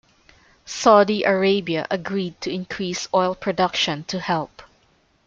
Saudi Arabia agreed to increase oil production to help.